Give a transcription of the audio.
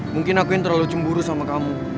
mungkin aku yang terlalu cemburu sama kamu